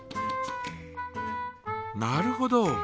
なるほど。